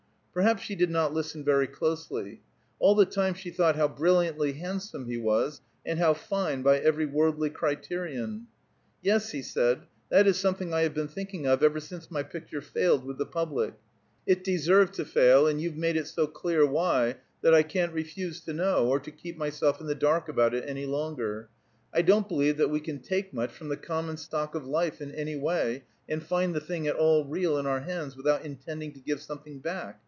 Perhaps she did not listen very closely. All the time she thought how brilliantly handsome he was, and how fine, by every worldly criterion. "Yes," he said, "that is something I have been thinking of ever since my picture failed with the public; it deserved to fail, and you've made it so clear why, that I can't refuse to know, or to keep myself in the dark about it any longer. I don't believe we can take much from the common stock of life in any way, and find the thing at all real in our hands, without intending to give something back.